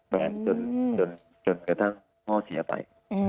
แฟนจนกระทั่งพ่อเสียไป